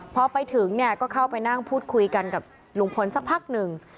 พอไปถึงเนี่ยก็เข้าไปนั่งพูดคุยกันกับลุงพลสักพักหนึ่ง